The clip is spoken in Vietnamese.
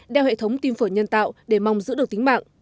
đeo hệ thống tim phổi nhân tạo để mong giữ được tính mạng